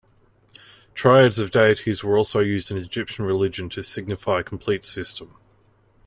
Triads of deities were also used in Egyptian religion to signify a complete system.